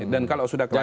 dan kalau sudah kelahi